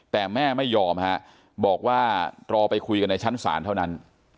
แต่แม่ไม่ยอมฮะบอกว่ารอไปคุยกันในชั้นศาลเท่านั้น